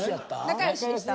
仲良しでした。